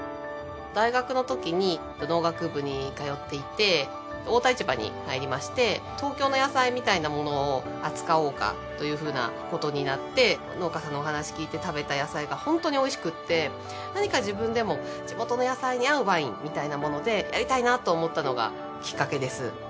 大学のときに農学部に通っていて大田市場に入りまして東京の野菜みたいなものを扱おうかというふうなことになって農家さんのお話聞いて食べた野菜がホントにおいしくて何か自分でも地元の野菜に合うワインみたいなものでやりたいなと思ったのがきっかけです。